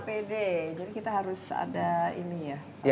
apd jadi kita harus ada ini ya